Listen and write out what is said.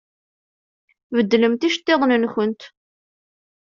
Beddlemt iceṭṭiḍen-nkent!